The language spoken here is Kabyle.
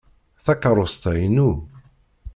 Takeṛṛust-a inu.